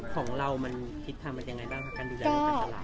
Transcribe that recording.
ของเรามันทิศทางมันยังไงบ้างครับการดูแลเรื่องการตลาด